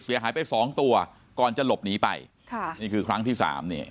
เสียหายไปสองตัวก่อนจะหลบหนีไปค่ะนี่คือครั้งที่สามนี่